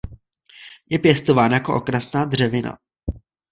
Je pěstován jako okrasná dřevina.